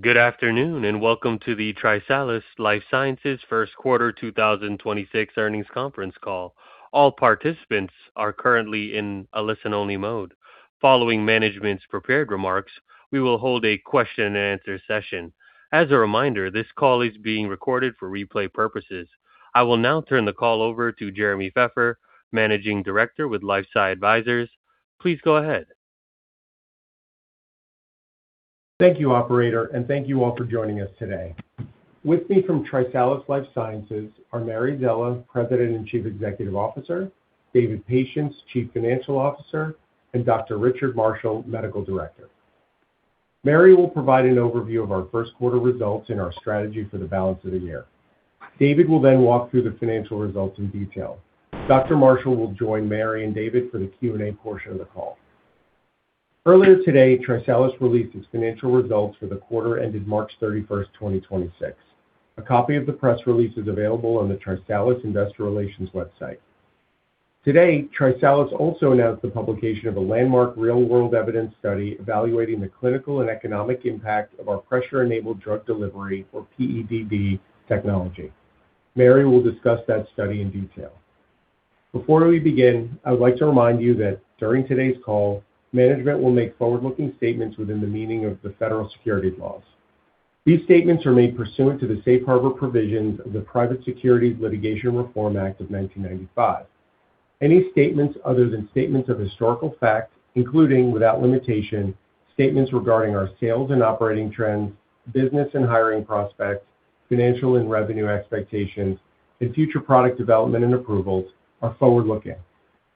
Good afternoon, and welcome to the TriSalus Life Sciences First Quarter 2026 Earnings Conference Call. All participants are currently in a listen-only mode. Following management's prepared remarks, we will hold a question and answer session. As a reminder, this call is being recorded for replay purposes. I will now turn the call over to Jeremy Feffer, Managing Director with LifeSci Advisors. Please go ahead. Thank you, operator, and thank you all for joining us today. With me from TriSalus Life Sciences are Mary Szela, President and Chief Executive Officer, David Patience, Chief Financial Officer, and Dr. Richard Marshall, Medical Director. Mary will provide an overview of our first quarter results and our strategy for the balance of the year. David will walk through the financial results in detail. Dr. Marshall will join Mary and David for the Q&A portion of the call. Earlier today, TriSalus released its financial results for the quarter ended March 31st, 2026. A copy of the press release is available on the TriSalus Investor Relations website. Today, TriSalus also announced the publication of a landmark real-world evidence study evaluating the clinical and economic impact of our Pressure-Enabled Drug Delivery, or PEDD technology. Mary will discuss that study in detail. Before we begin, I would like to remind you that during today's call, management will make forward-looking statements within the meaning of the federal securities laws. These statements are made pursuant to the safe harbor provisions of the Private Securities Litigation Reform Act of 1995. Any statements other than statements of historical fact, including, without limitation, statements regarding our sales and operating trends, business and hiring prospects, financial and revenue expectations, and future product development and approvals are forward-looking.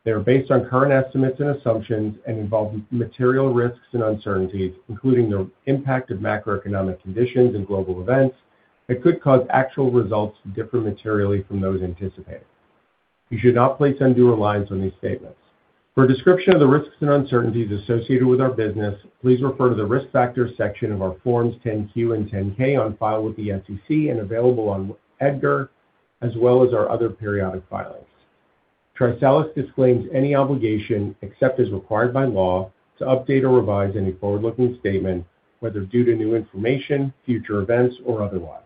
They are based on current estimates and assumptions and involve material risks and uncertainties, including the impact of macroeconomic conditions and global events that could cause actual results to differ materially from those anticipated. You should not place undue reliance on these statements. For a description of the risks and uncertainties associated with our business, please refer to the Risk Factors section of our Forms 10-Q and 10-K on file with the SEC and available on EDGAR, as well as our other periodic filings. TriSalus disclaims any obligation, except as required by law, to update or revise any forward-looking statement, whether due to new information, future events, or otherwise.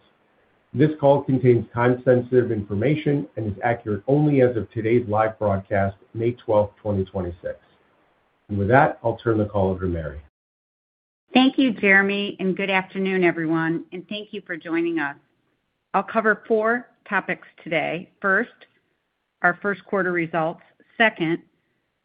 This call contains time-sensitive information and is accurate only as of today's live broadcast, May 12, 2026. With that, I'll turn the call over to Mary. Thank you, Jeremy, and good afternoon, everyone, and thank you for joining us. I'll cover four topics today. First, our first quarter results. Second,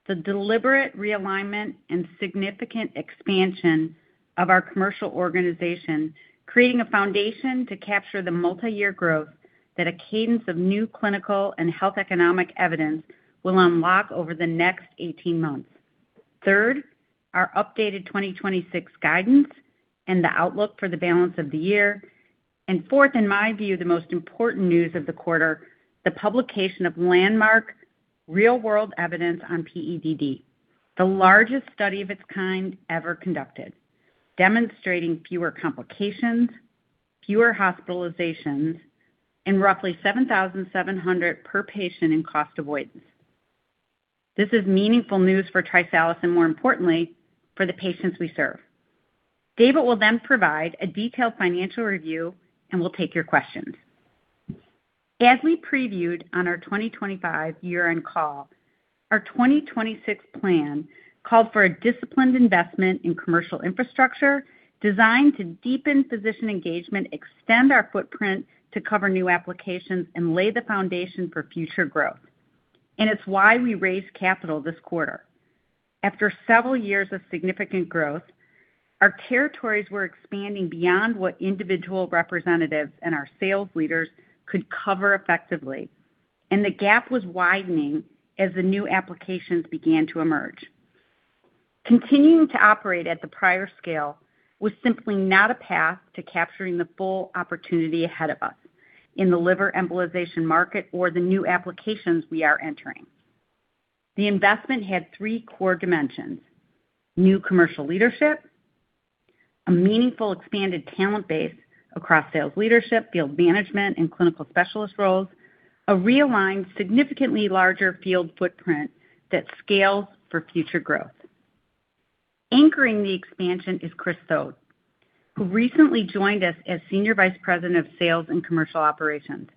the deliberate realignment and significant expansion of our commercial organization, creating a foundation to capture the multi-year growth that a cadence of new clinical and health economic evidence will unlock over the next 18 months. Third, our updated 2026 guidance and the outlook for the balance of the year. Fourth, in my view, the most important news of the quarter, the publication of landmark real-world evidence on PEDD, the largest study of its kind ever conducted, demonstrating fewer complications, fewer hospitalizations, and roughly $7,700 per patient in cost avoidance. This is meaningful news for TriSalus and, more importantly, for the patients we serve. David will then provide a detailed financial review, and we'll take your questions. As we previewed on our 2025 year-end call, our 2026 plan called for a disciplined investment in commercial infrastructure designed to deepen physician engagement, extend our footprint to cover new applications, and lay the foundation for future growth. It's why we raised capital this quarter. After several years of significant growth, our territories were expanding beyond what individual representatives and our sales leaders could cover effectively, and the gap was widening as the new applications began to emerge. Continuing to operate at the prior scale was simply not a path to capturing the full opportunity ahead of us in the liver embolization market or the new applications we are entering. The investment had three core dimensions: new commercial leadership, a meaningful expanded talent base across sales leadership, field management, and clinical specialist roles, a realigned, significantly larger field footprint that scales for future growth. Anchoring the expansion is Chris Staudt, who recently joined us as Senior Vice President of Sales and Commercial Operations.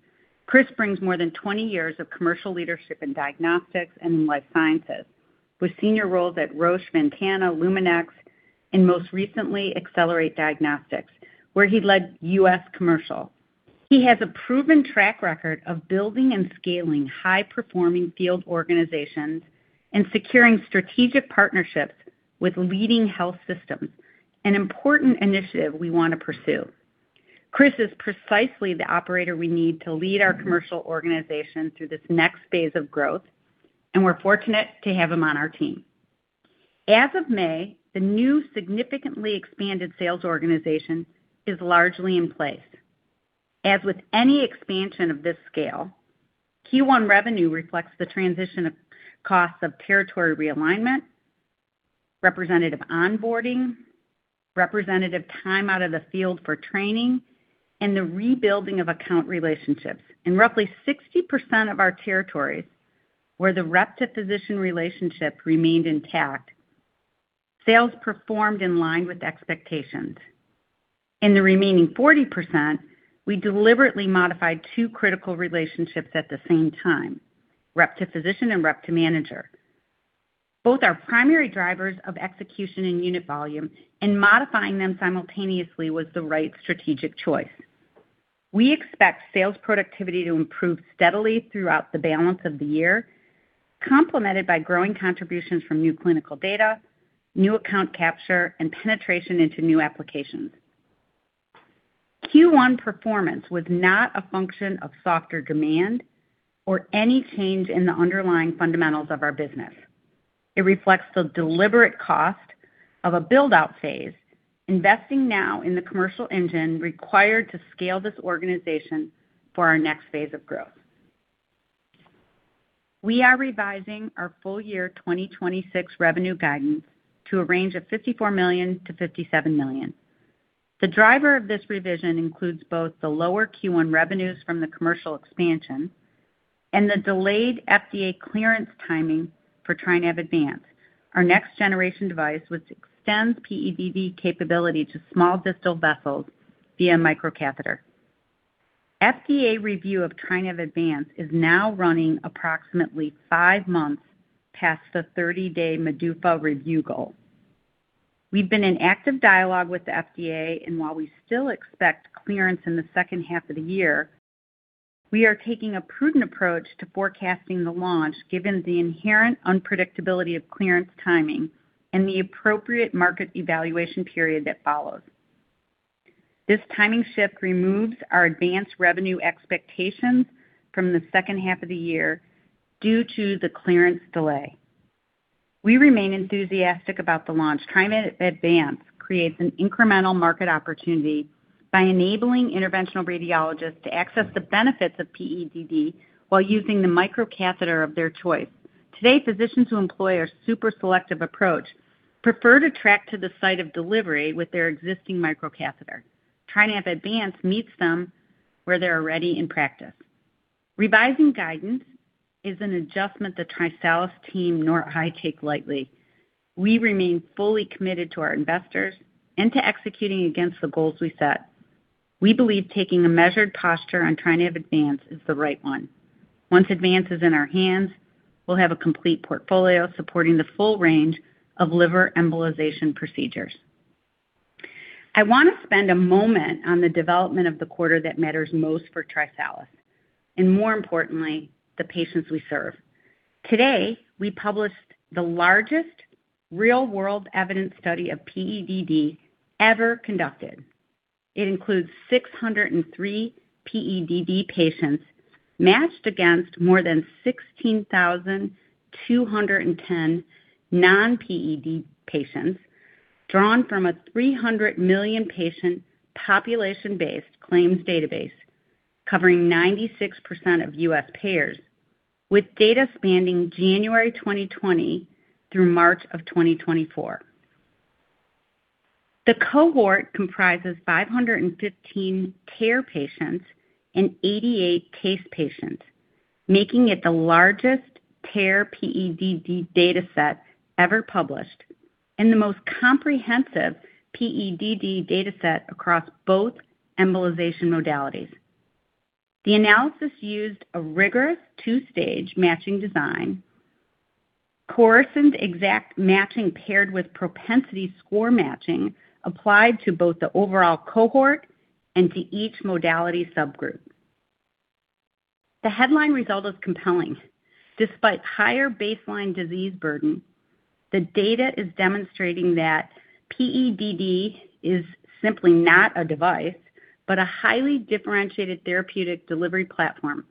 Chris brings more than 20 years of commercial leadership in diagnostics and in life sciences, with senior roles at Roche, Ventana, Luminex, and most recently, Accelerate Diagnostics, where he led U.S. commercial. He has a proven track record of building and scaling high-performing field organizations and securing strategic partnerships with leading health systems, an important initiative we want to pursue. Chris is precisely the Operator we need to lead our commercial organization through this next phase of growth, and we're fortunate to have him on our team. As of May, the new significantly expanded sales organization is largely in place. As with any expansion of this scale, Q1 revenue reflects the transition of costs of territory realignment, representative onboarding, representative time out of the field for training, and the rebuilding of account relationships. In roughly 60% of our territories, where the rep-to-physician relationship remained intact, sales performed in line with expectations. In the remaining 40%, we deliberately modified two critical relationships at the same time: rep to physician and rep to manager. Both are primary drivers of execution and unit volume. Modifying them simultaneously was the right strategic choice. We expect sales productivity to improve steadily throughout the balance of the year, complemented by growing contributions from new clinical data, new account capture, and penetration into new applications. Q1 performance was not a function of softer demand or any change in the underlying fundamentals of our business. It reflects the deliberate cost of a build-out phase, investing now in the commercial engine required to scale this organization for our next phase of growth. We are revising our full year 2026 revenue guidance to a range of $54 million-57 million. The driver of this revision includes both the lower Q1 revenues from the Commercial Expansion and the delayed FDA clearance timing for TriNav Advance, our next-generation device which extends PEDD capability to small distal vessels via microcatheter. FDA review of TriNav Advance is now running approximately five months past the 30-day MDUFA review goal. We've been in active dialogue with the FDA, and while we still expect clearance in the second half of the year, we are taking a prudent approach to forecasting the launch given the inherent unpredictability of clearance timing and the appropriate market evaluation period that follows. This timing shift removes our Advance revenue expectations from the second half of the year due to the clearance delay. We remain enthusiastic about the launch. TriNav Advance creates an incremental market opportunity by enabling interventional radiologists to access the benefits of PEDD while using the microcatheter of their choice. Today, physicians who employ our super selective approach prefer to track to the site of delivery with their existing microcatheter. TriNav Advance meets them where they're already in practice. Revising guidance is an adjustment the TriSalus team nor I take lightly. We remain fully committed to our investors and to executing against the goals we set. We believe taking a measured posture on TriNav Advance is the right one. Once Advance is in our hands, we'll have a complete portfolio supporting the full range of liver embolization procedures. I want to spend a moment on the development of the quarter that matters most for TriSalus and more importantly, the patients we serve. Today, we published the largest real-world evidence study of PEDD ever conducted. It includes 603 PEDD patients matched against more than 16,210 non-PEDD patients drawn from a 300 million patient population-based claims database covering 96% of U.S. payers, with data spanning January 2020 through March of 2024. The cohort comprises 515 TARE patients and 88 TACE patients, making it the largest TARE PEDD dataset ever published and the most comprehensive PEDD dataset across both embolization modalities. The analysis used a rigorous two-stage matching design, Coarsened Exact Matching paired with propensity score matching applied to both the overall cohort and to each modality subgroup. The headline result is compelling. Despite higher baseline disease burden, the data is demonstrating that PEDD is simply not a device, but a highly differentiated Therapeutic Delivery Platform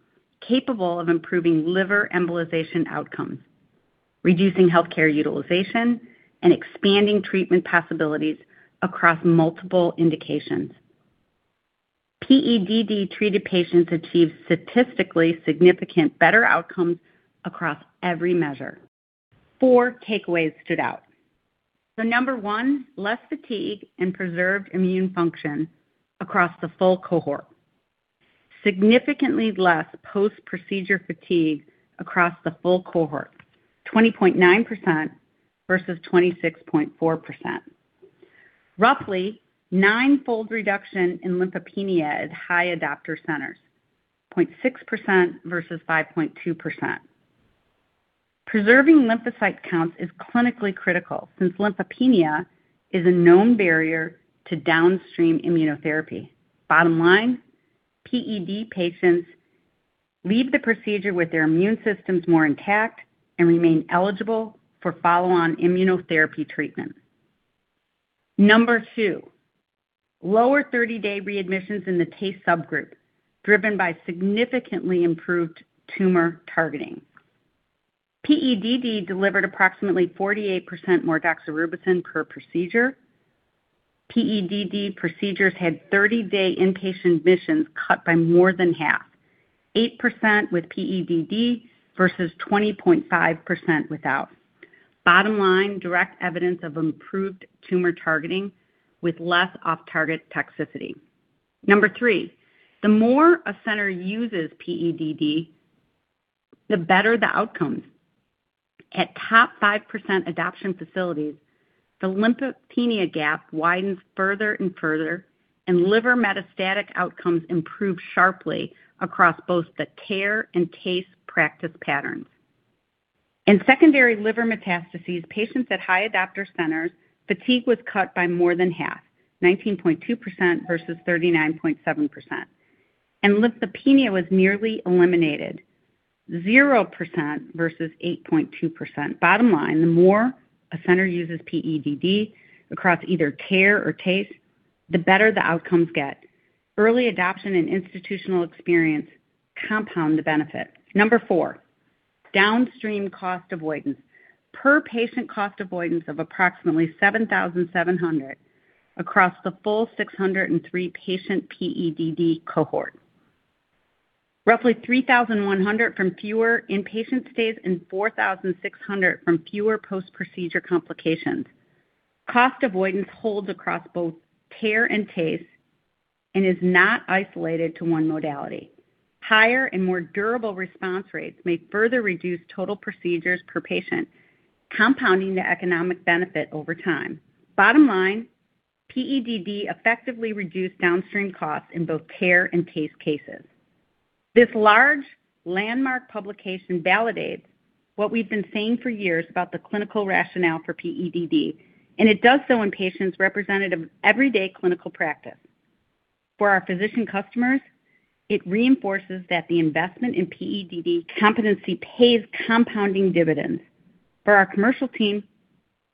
capable of improving liver embolization outcomes, reducing healthcare utilization, and expanding treatment possibilities across multiple indications. PEDD-treated patients achieved statistically significant better outcomes across every measure. Four takeaways stood out. Number one, less fatigue and preserved immune function across the full cohort. Significantly less post-procedure fatigue across the full cohort, 20.9% versus 26.4%. Roughly ninefold reduction in lymphopenia at high adopter centers, 0.6% versus 5.2%. Preserving lymphocyte counts is clinically critical since lymphopenia is a known barrier to downstream immunotherapy. Bottom line, PED patients leave the procedure with their immune systems more intact and remain eligible for follow-on immunotherapy treatment. Number two, lower 30-day readmissions in the TACE subgroup, driven by significantly improved tumor targeting. PEDD delivered approximately 48% more doxorubicin per procedure. PEDD procedures had 30-day inpatient admissions cut by more than half, 8% with PEDD versus 20.5% without. Bottom line, direct evidence of improved tumor targeting with less off-target toxicity. Number threethe more a center uses PEDD, the better the outcomes. At top 5% adoption facilities, the lymphopenia gap widens further and further, and liver metastatic outcomes improve sharply across both the TARE and TACE practice patterns. In secondary liver metastases, patients at high adopter centers, fatigue was cut by more than half, 19.2% versus 39.7%. Lymphopenia was nearly eliminated, 0% versus 8.2%. Bottom line, the more a center uses PEDD across either care or case, the better the outcomes get. Early adoption and institutional experience compound the benefit. Number four, downstream cost avoidance. Per patient cost avoidance of approximately $7,700 across the full 603 patient PEDD cohort. Roughly $3,100 from fewer inpatient stays and $4,600 from fewer post-procedure complications. Cost avoidance holds across both TARE and TACE and is not isolated to one modality. Higher and more durable response rates may further reduce total procedures per patient, compounding the economic benefit over time. Bottom line, PEDD effectively reduced downstream costs in both TARE and TACE cases. This large landmark publication validates what we've been saying for years about the clinical rationale for PEDD, and it does so in patients representative of everyday clinical practice. For our physician customers, it reinforces that the investment in PEDD competency pays compounding dividends. For our commercial team,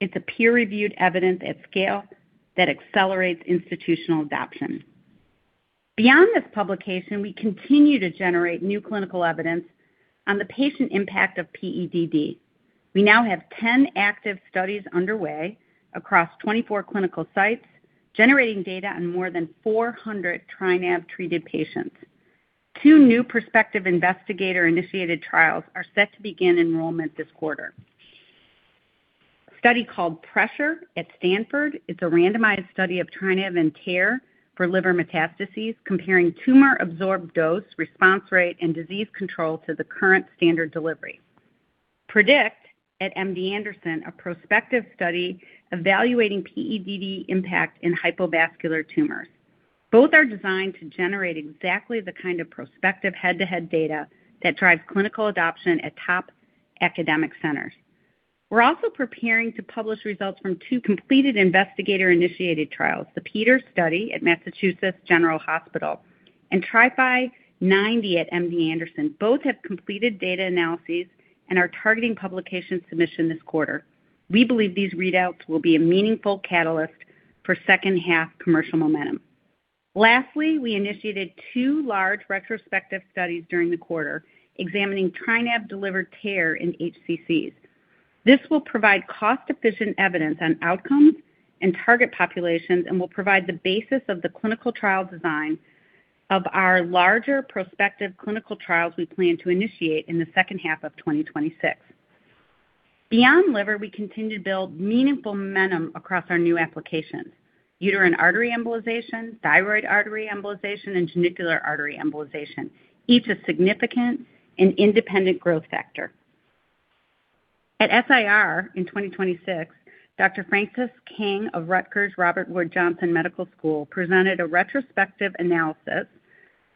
it's a peer-reviewed evidence at scale that accelerates institutional adoption. Beyond this publication, we continue to generate new Clinical Evidence on the patient impact of PEDD. We now have 10 active studies underway across 24 clinical sites, generating data on more than 400 TriNav-treated patients. Two new prospective investigator-initiated trials are set to begin enrollment this quarter. A study called PRESSURE at Stanford is a randomized study of TriNav and TARE for liver metastases comparing tumor-absorbed dose, response rate, and disease control to the current standard delivery. PREDICT at MD Anderson, a prospective study evaluating PEDD impact in hypovascular tumors. Both are designed to generate exactly the kind of prospective head-to-head data that drives clinical adoption at top academic centers. We're also preparing to publish results from two completed investigator-initiated trials, the PETER study at Massachusetts General Hospital and TRIFY90 at MD Anderson. Both have completed data analyses and are targeting publication submission this quarter. We believe these readouts will be a meaningful catalyst for second-half commercial momentum. Lastly, we initiated two large retrospective studies during the quarter examining TriNav-delivered care in HCCs. This will provide cost-efficient evidence on outcomes and target populations and will provide the basis of the clinical trial design of our larger prospective clinical trials we plan to initiate in the second half of 2026. Beyond liver, we continue to build meaningful momentum across our new applications, uterine artery embolization, thyroid artery embolization, and genicular artery embolization, each a significant and independent growth factor. At SIR in 2026, Dr. Francis King of Rutgers Robert Wood Johnson Medical School presented a retrospective analysis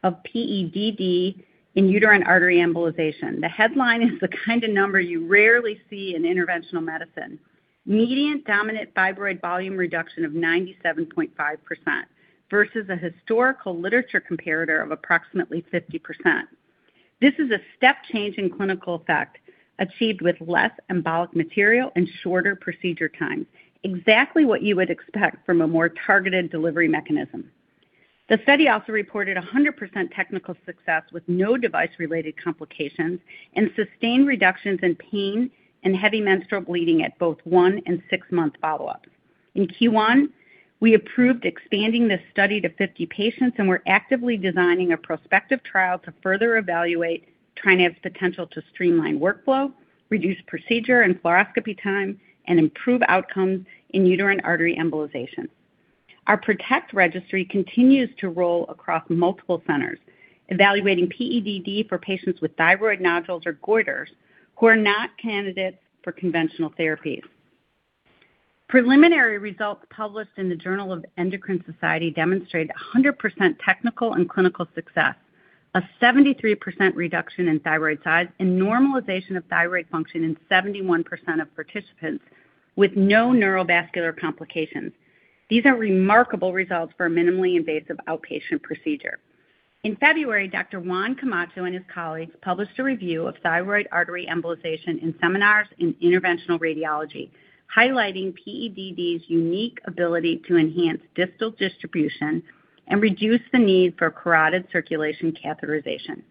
of PEDD in uterine artery embolization. The headline is the kind of number you rarely see in interventional medicine. Median dominant thyroid volume reduction of 97.5% versus a historical literature comparator of approximately 50%. This is a step change in clinical effect achieved with less embolic material and shorter procedure time, exactly what you would expect from a more targeted delivery mechanism. The study also reported 100% technical success with no device-related complications and sustained reductions in pain and heavy menstrual bleeding at both one and six-month follow-up. In Q1, we approved expanding this study to 50 patients and we're actively designing a prospective trial to further evaluate TriNav's potential to streamline workflow, reduce procedure and fluoroscopy time, and improve outcomes in uterine artery embolization. Our PROTECT registry continues to roll across multiple centers, evaluating PEDD for patients with thyroid nodules or goiters who are not candidates for conventional therapies. Preliminary results published in the Journal of the Endocrine Society demonstrate 100% technical and clinical success, a 73% reduction in thyroid size, and normalization of thyroid function in 71% of participants with no neurovascular complications. These are remarkable results for a minimally invasive outpatient procedure. In February, Dr. Juan Camacho and his colleagues published a review of thyroid artery embolization in Seminars in Interventional Radiology, highlighting PEDD's unique ability to enhance distal distribution and reduce the need for carotid circulation catheterization.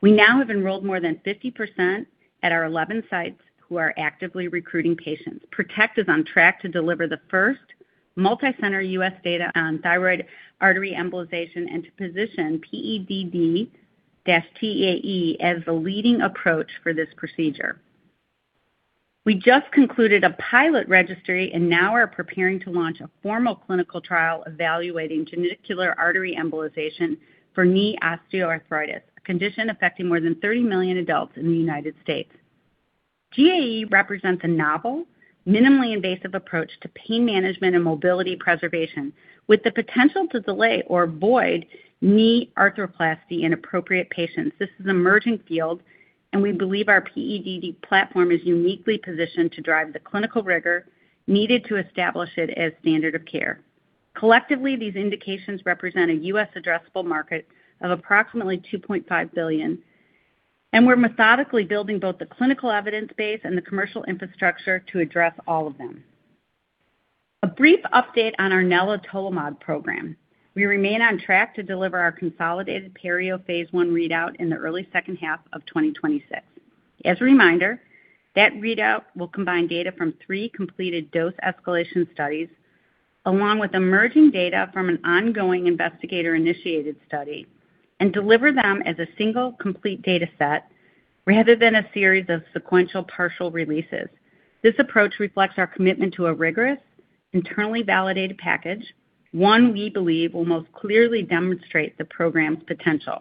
We now have enrolled more than 50% at our 11 sites who are actively recruiting patients. PROTECT is on track to deliver the first multi-center U.S. data on thyroid artery embolization and to position PEDD-TAE as the leading approach for this procedure. We just concluded a pilot registry and now are preparing to launch a formal clinical trial evaluating genicular artery embolization for knee osteoarthritis, a condition affecting more than 30 million adults in the United States. GAE represents a novel, minimally invasive approach to pain management and mobility preservation, with the potential to delay or avoid knee arthroplasty in appropriate patients. This is an emerging field, and we believe our PEDD platform is uniquely positioned to drive the clinical rigor needed to establish it as standard of care. Collectively, these indications represent a U.S. addressable market of approximately $2.5 billion, and we're methodically building both the Clinical Evidence base and the commercial infrastructure to address all of them. A brief update on our nelitolimod program. We remain on track to deliver our consolidated PERIO phase I readout in the early second half of 2026. As a reminder, that readout will combine data from three completed dose escalation studies, along with emerging data from an ongoing investigator-initiated study, and deliver them as a single complete data set rather than a series of sequential partial releases. This approach reflects our commitment to a rigorous, internally validated package, one we believe will most clearly demonstrate the program's potential.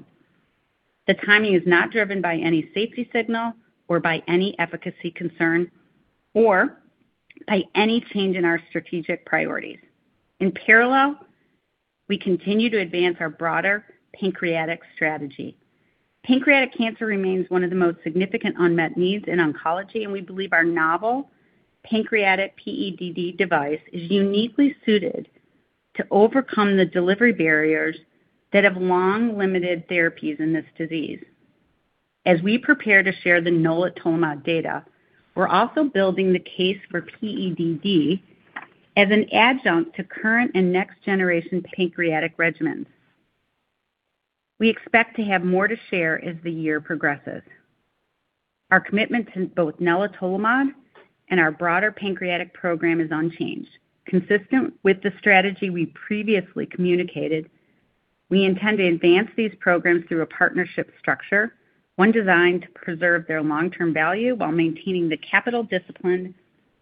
The timing is not driven by any safety signal or by any efficacy concern or by any change in our strategic priorities. In parallel, we continue to advance our broader pancreatic strategy. Pancreatic cancer remains one of the most significant unmet needs in oncology, and we believe our novel pancreatic PEDD device is uniquely suited to overcome the delivery barriers that have long limited therapies in this disease. As we prepare to share the nelitolimod data, we're also building the case for PEDD as an adjunct to current and next generation pancreatic regimens. We expect to have more to share as the year progresses. Our commitment to both nelitolimod and our broader pancreatic program is unchanged. Consistent with the strategy we previously communicated, we intend to advance these programs through a partnership structure, one designed to preserve their long-term value while maintaining the capital discipline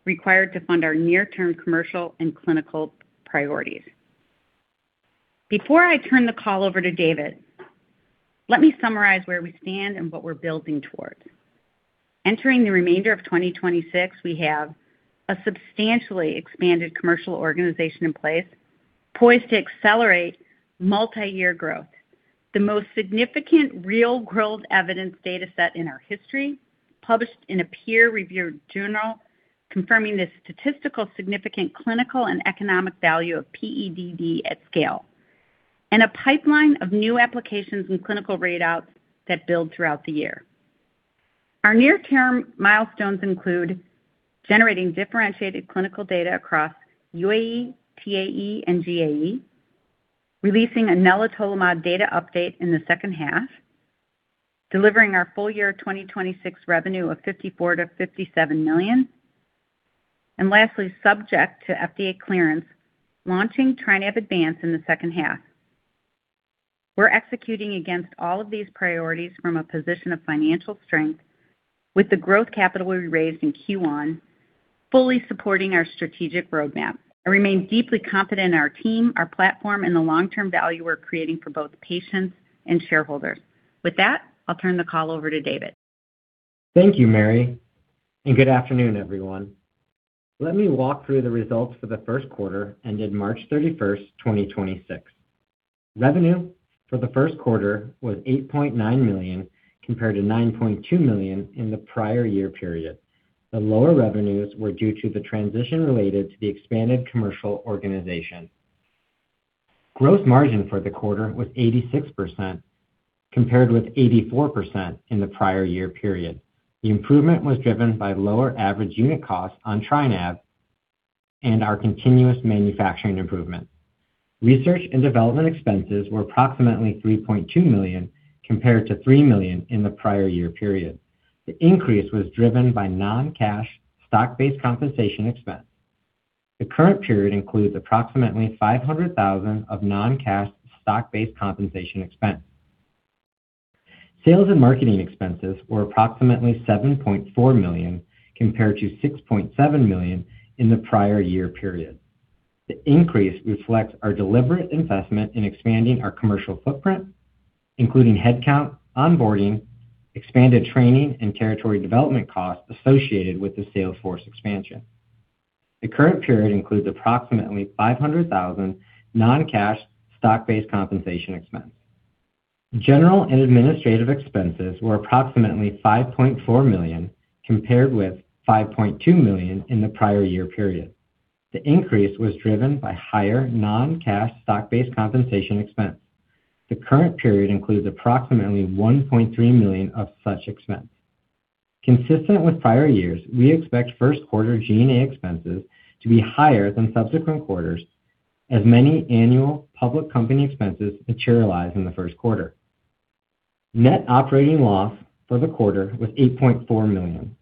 required to fund our near-term commercial and clinical priorities. Before I turn the call over to David, let me summarize where we stand and what we're building towards. Entering the remainder of 2026, we have a substantially expanded commercial organization in place poised to accelerate multi-year growth. The most significant real-world evidence data set in our history, published in a peer-reviewed journal confirming the statistical significant clinical and economic value of PEDD at scale, and a pipeline of new applications and clinical readouts that build throughout the year. Our near-term milestones include generating differentiated clinical data across UAE, TAE, and GAE, releasing a nelitolimod data update in the second half, delivering our full year 2026 revenue of $54 million-57 million, and lastly, subject to FDA clearance, launching TriNav Advance in the second half. We're executing against all of these priorities from a position of financial strength with the growth capital we raised in Q1 fully supporting our strategic roadmap. I remain deeply confident in our team, our platform, and the long-term value we're creating for both patients and shareholders. With that, I'll turn the call over to David. Thank you, Mary, and good afternoon, everyone. Let me walk through the results for the first quarter ended March 31st, 2026. Revenue for the first quarter was $8.9 million compared to $9.2 million in the prior-year period. The lower revenues were due to the transition related to the expanded commercial organization. Gross margin for the quarter was 86% compared with 84% in the prior-year period. The improvement was driven by lower average unit costs on TriNav and our continuous manufacturing improvement. Research and development expenses were approximately $3.2 million compared to $3 million in the prior-year period. The increase was driven by non-cash stock-based compensation expense. The current period includes approximately $500,000 of non-cash stock-based compensation expense. Sales and marketing expenses were approximately $7.4 million compared to $6.7 million in the prior year period. The increase reflects our deliberate investment in expanding our commercial footprint, including headcount, onboarding, expanded training, and territory development costs associated with the sales force expansion. The current period includes approximately $500,000 non-cash stock-based compensation expense. General and administrative expenses were approximately $5.4 million compared with $5.2 million in the prior year period. The increase was driven by higher non-cash stock-based compensation expense. The current period includes approximately $1.3 million of such expense. Consistent with prior years, we expect first quarter G&A expenses to be higher than subsequent quarters as many annual public company expenses materialize in the first quarter. Net operating loss for the quarter was $8.4 million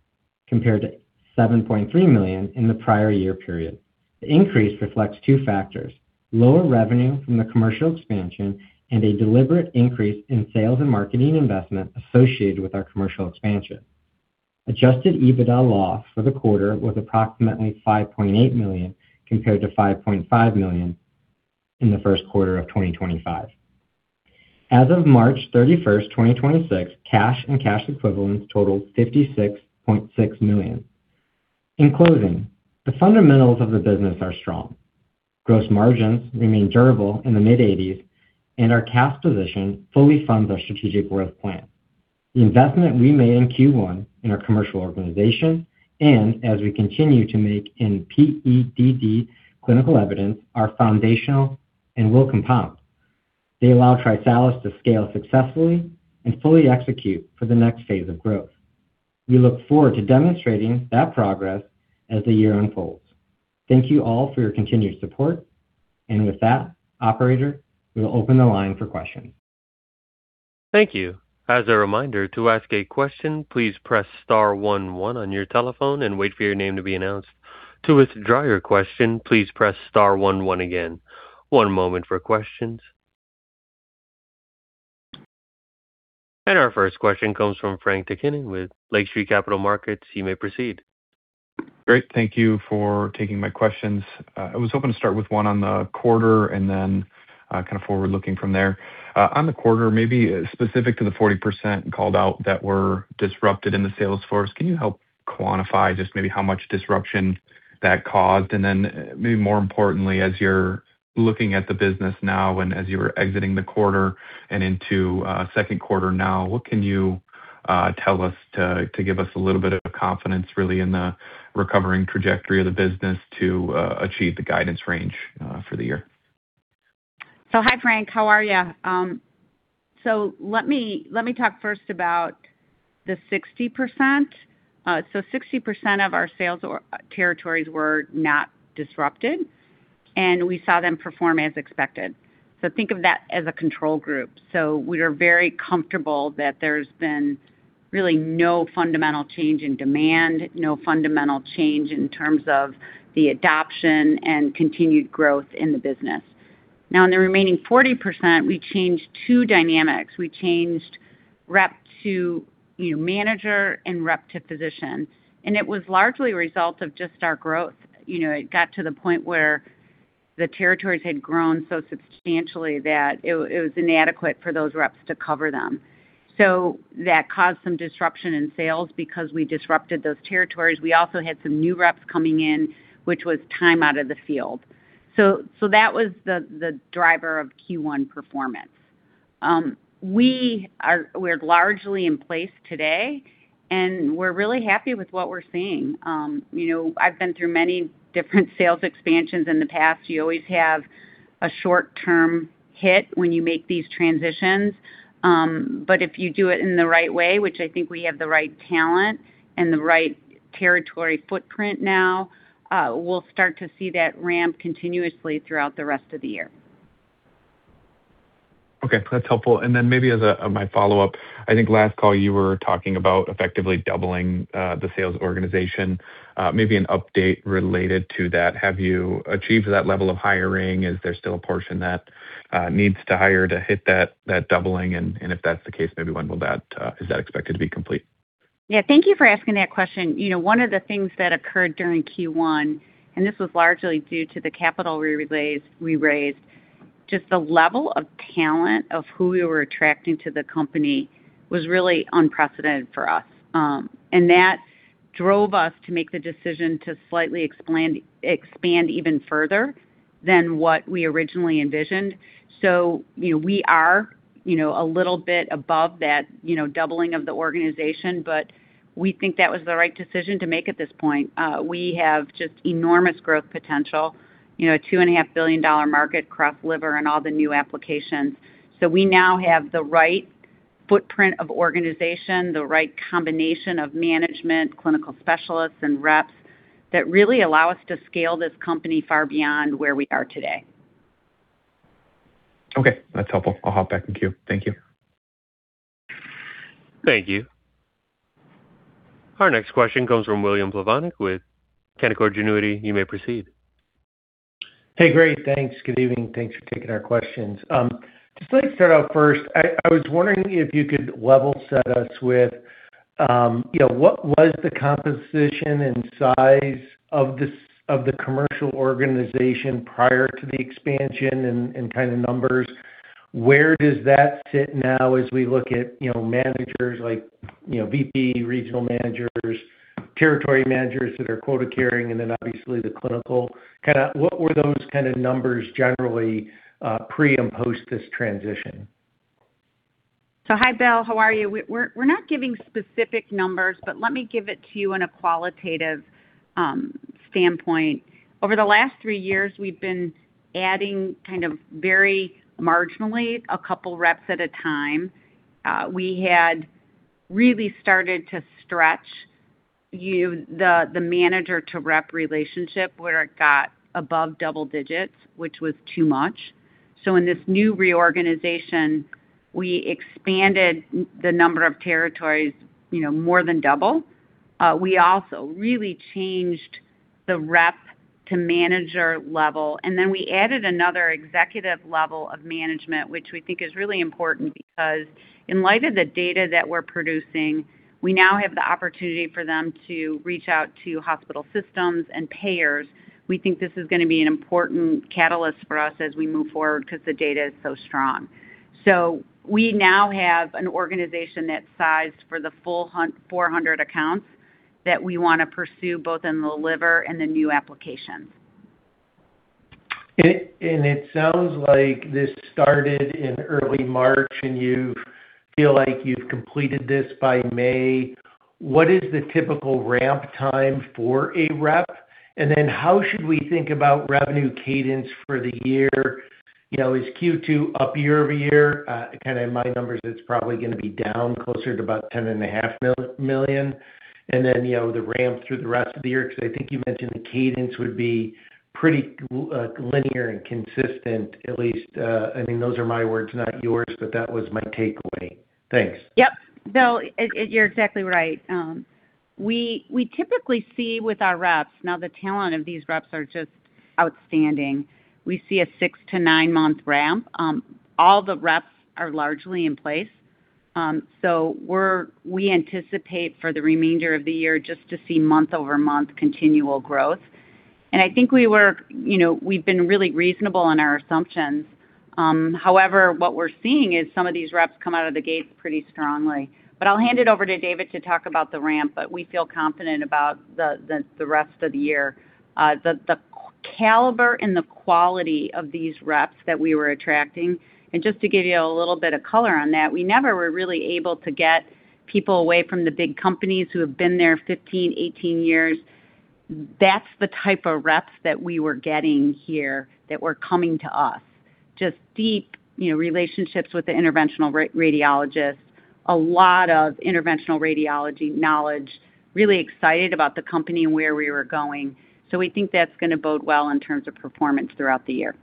compared to $7.3 million in the prior year period. The increase reflects two factors: lower revenue from the Commercial Expansion and a deliberate increase in sales and marketing investment associated with our Commercial Expansion. Adjusted EBITDA loss for the quarter was approximately $5.8 million, compared to $5.5 million in the first quarter of 2025. As of March 31st, 2026, cash and cash equivalents totaled $56.6 million. In closing, the fundamentals of the business are strong. Gross margins remain durable in the mid-80s, and our cash position fully funds our strategic growth plan. The investment we made in Q1 in our commercial organization and as we continue to make in PEDD Clinical Evidence are foundational and will compound. They allow TriSalus to scale successfully and fully execute for the next phase of growth. We look forward to demonstrating that progress as the year unfolds. Thank you all for your continued support. With that, operator, we will open the line for questions. Thank you. As a reminder, to ask a question, please press star one one on your telephone and wait for your name to be announced. To withdraw your question, please press star one one again. One moment for questions. Our first question comes from Frank Takkinen with Lake Street Capital Markets. You may proceed. Great. Thank you for taking my questions. I was hoping to start with one on the quarter and then kind of forward-looking from there. On the quarter, maybe specific to the 40% called out that were disrupted in the sales force, can you help quantify just maybe how much disruption that caused? Maybe more importantly, as you're looking at the business now and as you were exiting the quarter and into second quarter now, what can you tell us to give us a little bit of confidence really in the recovering trajectory of the business to achieve the guidance range for the year? Hi, Frank Takkinen. How are you? Let me talk first about the 60%. 60% of our sales or territories were not disrupted, and we saw them perform as expected. Think of that as a control group. We are very comfortable that there's been really no fundamental change in demand, no fundamental change in terms of the adoption and continued growth in the business. Now, in the remaining 40%, we changed two dynamics. We changed rep to, you know, manager and rep to physician. It was largely a result of just our growth. You know, it got to the point where the territories had grown so substantially that it was inadequate for those reps to cover them. That caused some disruption in sales because we disrupted those territories. We also had some new reps coming in, which was time out of the field. That was the driver of Q1 performance. We're largely in place today, and we're really happy with what we're seeing. You know, I've been through many different sales expansions in the past. You always have a short-term hit when you make these transitions. If you do it in the right way, which I think we have the right talent and the right territory footprint now, we'll start to see that ramp continuously throughout the rest of the year. Okay. That's helpful. Maybe as a, my follow-up, I think last call you were talking about effectively doubling the sales organization. Maybe an update related to that. Have you achieved that level of hiring? Is there still a portion that needs to hire to hit that doubling? If that's the case, maybe when will that, is that expected to be complete? Yeah. Thank you for asking that question. You know, one of the things that occurred during Q1, this was largely due to the capital we raised, just the level of talent of who we were attracting to the company was really unprecedented for us. That drove us to make the decision to slightly expand even further than what we originally envisioned. You know, we are, you know, a little bit above that, you know, doubling of the organization, we think that was the right decision to make at this point. We have just enormous growth potential. You know, $2.5 billion market, cross liver and all the new applications. We now have the right footprint of organization, the right combination of management, clinical specialists, and reps that really allow us to scale this company far beyond where we are today. Okay, that's helpful. I'll hop back in queue. Thank you. Thank you. Our next question comes from William Plovanic with Canaccord Genuity. You may proceed. Hey, great. Thanks. Good evening. Thanks for taking our questions. Just like to start out first, I was wondering if you could level set us with, you know, what was the composition and size of the commercial organization prior to the expansion and kind of numbers? Where does that sit now as we look at, you know, managers like, you know, VP, regional managers, territory managers that are quota carrying, and then obviously the clinical. Kinda what were those kind of numbers generally, pre and post this transition? Hi, Bill. How are you? We're not giving specific numbers, but let me give it to you in a qualitative standpoint. Over the last three years, we've been adding kind of very marginally two reps at a time. We had really started to stretch the manager to rep relationship where it got above double digits, which was too much. In this new reorganization, we expanded the number of territories, you know, more than double. We also really changed the rep to manager level. We added another executive level of management, which we think is really important because in light of the data that we're producing, we now have the opportunity for them to reach out to hospital systems and payers. We think this is gonna be an important catalyst for us as we move forward because the data is so strong. We now have an organization that's sized for the full 400 accounts that we wanna pursue both in the liver and the new applications. It sounds like this started in early March, and you feel like you've completed this by May. What is the typical ramp time for a rep? How should we think about revenue cadence for the year? You know, is Q2 up year-over-year? Kinda in my numbers, it's probably gonna be down closer to about $10.5 million. You know, the ramp through the rest of the year, 'cause I think you mentioned the cadence would be pretty linear and consistent at least. I mean, those are my words, not yours, that was my takeaway. Thanks. Yep. No, it, you're exactly right. We, we typically see with our reps, now the talent of these reps are just outstanding. We see a six to nine-month ramp. All the reps are largely in place. We anticipate for the remainder of the year just to see month-over-month continual growth. I think we were, you know, we've been really reasonable in our assumptions. However, what we're seeing is some of these reps come out of the gate pretty strongly. I'll hand it over to David to talk about the ramp, but we feel confident about the rest of the year. The caliber and the quality of these reps that we were attracting, and just to give you a little bit of color on that, we never were really able to get people away from the big companies who have been there 15, 18 years. That's the type of reps that we were getting here that were coming to us. Just deep, you know, relationships with the interventional radiologists, a lot of interventional radiology knowledge, really excited about the company and where we were going. We think that's gonna bode well in terms of performance throughout the year.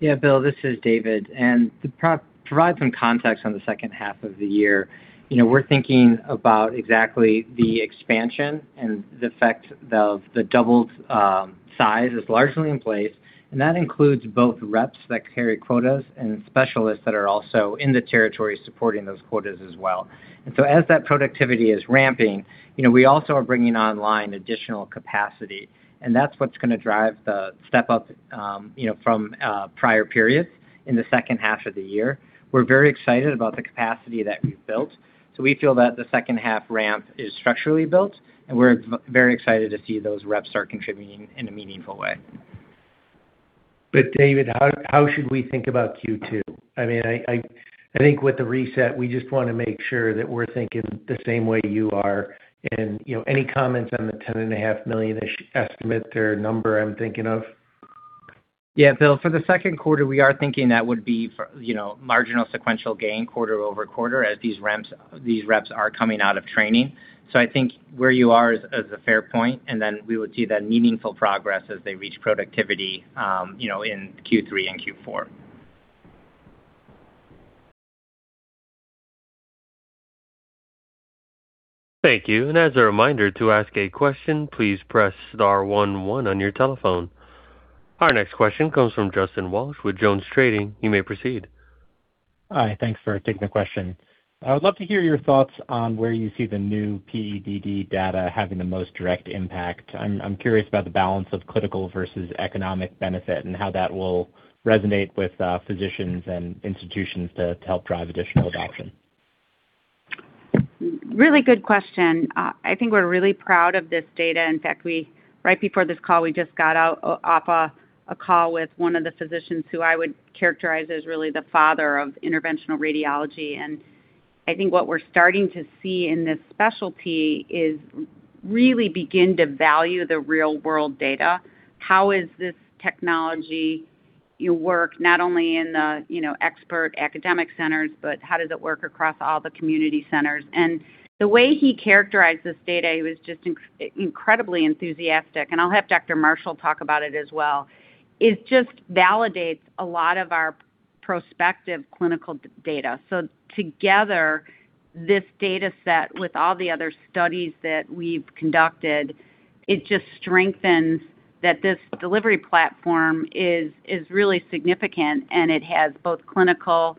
Yeah, Bill, this is David. To provide some context on the second half of the year, you know, we're thinking about exactly the expansion and the effect of the doubled size is largely in place, and that includes both reps that carry quotas and specialists that are also in the territory supporting those quotas as well. As that productivity is ramping, you know, we also are bringing online additional capacity, and that's what's gonna drive the step-up, you know, from prior periods in the second half of the year. We're very excited about the capacity that we've built, so we feel that the second half ramp is structurally built, and we're very excited to see those reps start contributing in a meaningful way. David, how should we think about Q2? I mean, I think with the reset, we just wanna make sure that we're thinking the same way you are. You know, any comments on the ten and a half million-ish estimate or number I'm thinking of? Yeah, Bill, for the second quarter, we are thinking that would be for, you know, marginal sequential gain quarter-over-quarter as these reps are coming out of training. I think where you are is a fair point, we would see that meaningful progress as they reach productivity, you know, in Q3 and Q4. Thank you. As a reminder, to ask a question, please press star one one on your telephone. Our next question comes from Justin Walsh with JonesTrading. You may proceed. Hi. Thanks for taking the question. I would love to hear your thoughts on where you see the new PEDD data having the most direct impact. I'm curious about the balance of clinical versus economic benefit and how that will resonate with physicians and institutions to help drive additional adoption. Really good question. I think we're really proud of this data. In fact, right before this call, we just got off a call with one of the physicians who I would characterize as really the father of interventional radiology. I think what we're starting to see in this specialty is really begin to value the real world data. How is this technology, you work, not only in the, you know, expert academic centers, but how does it work across all the community centers? The way he characterized this data, he was just incredibly enthusiastic, and I'll have Dr. Marshall talk about it as well. It just validates a lot of our prospective clinical data. Together, this data set with all the other studies that we've conducted, it just strengthens that this delivery platform is really significant, and it has both clinical,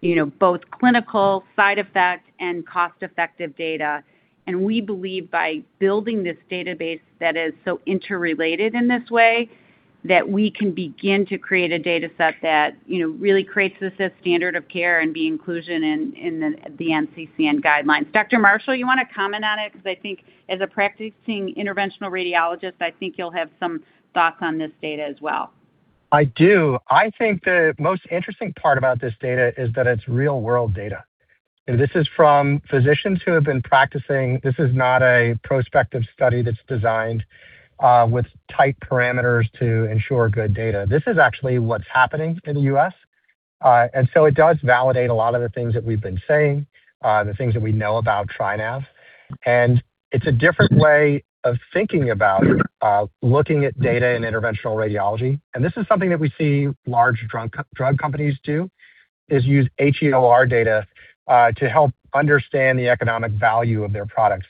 you know, both clinical side effect and cost-effective data. We believe by building this database that is so interrelated in this way, that we can begin to create a data set that, you know, really creates this as standard of care and be inclusion in the NCCN guidelines. Dr. Marshall, you wanna comment on it? Because I think as a practicing interventional radiologist, I think you'll have some thoughts on this data as well. I do. I think the most interesting part about this data is that it's real world data. This is from physicians who have been practicing. This is not a prospective study that's designed with tight parameters to ensure good data. This is actually what's happening in the U.S. It does validate a lot of the things that we've been saying, the things that we know about TriNav. It's a different way of thinking about looking at data in interventional radiology. This is something that we see large drug companies do, is use HEOR data to help understand the economic value of their products.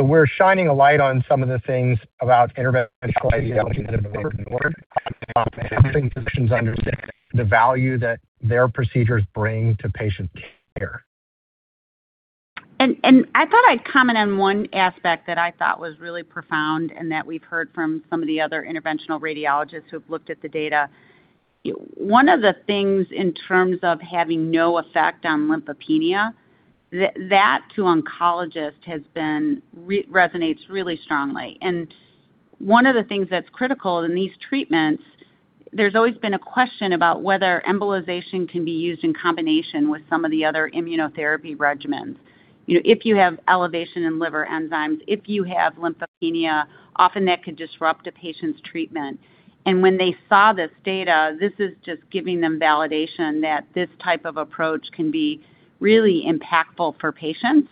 We're shining a light on some of the things about interventional radiology that have been ignored, helping physicians understand the value that their procedures bring to patient care. I thought I'd comment on one aspect that I thought was really profound and that we've heard from some of the other interventional radiologists who have looked at the data. One of the things in terms of having no effect on lymphopenia, that to oncologists has been resonates really strongly. One of the things that's critical in these treatments, there's always been a question about whether embolization can be used in combination with some of the other immunotherapy regimens. You know, if you have elevation in liver enzymes, if you have lymphopenia, often that can disrupt a patient's treatment. When they saw this data, this is just giving them validation that this type of approach can be really impactful for patients,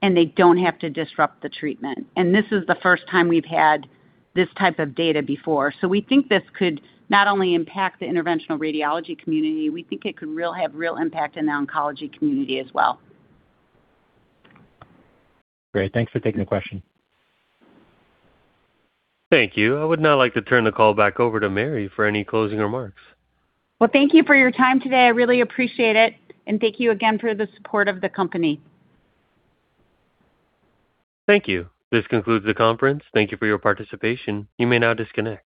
and they don't have to disrupt the treatment. This is the first time we've had this type of data before. We think this could not only impact the interventional radiology community, we think it could have real impact in the oncology community as well. Great. Thanks for taking the question. Thank you. I would now like to turn the call back over to Mary for any closing remarks. Well, thank you for your time today. I really appreciate it, and thank you again for the support of the company. Thank you. This concludes the conference. Thank you for your participation. You may now disconnect.